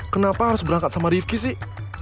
kenapa harus berangkat sama rifki sih